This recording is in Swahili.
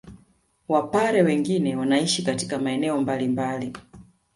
Wapare wengine wanaishi katika maeneo mbalimbali